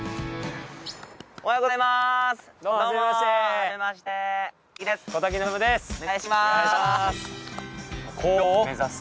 おはようございます！